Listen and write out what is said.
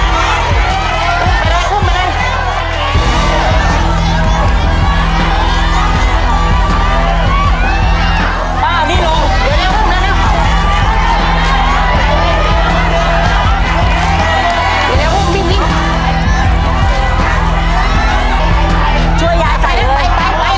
มัดไปกับผักซันไม่ต้องแค่กลับไปเลย